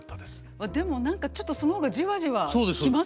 でも何かちょっとその方がじわじわ来ますね